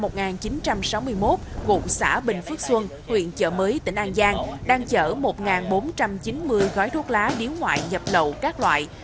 năm một nghìn chín trăm sáu mươi một cụ xã bình phước xuân huyện chợ mới tỉnh an giang đang chở một bốn trăm chín mươi gói thuốc lá điếu ngoại nhập lộ các loại